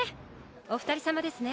お二人様ですね。